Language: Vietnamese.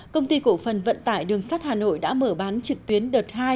công ty cổ phần vận tải đường sắt hà nội đã mở bán trực tuyến đợt hai